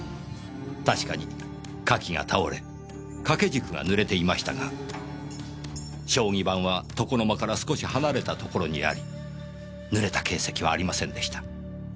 確かに花器が倒れ掛け軸が濡れていましたが将棋盤は床の間から少し離れた所にあり濡れた形跡はありませんでした。